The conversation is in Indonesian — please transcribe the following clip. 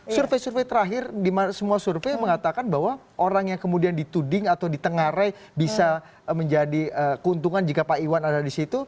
survei survei terakhir di mana semua survei mengatakan bahwa orang yang kemudian dituding atau ditengarai bisa menjadi keuntungan jika pak iwan ada di situ